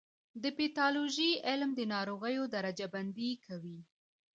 د پیتالوژي علم د ناروغیو درجه بندي کوي.